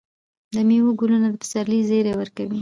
د میوو ګلونه د پسرلي زیری ورکوي.